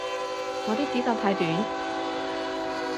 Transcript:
我啲指甲太短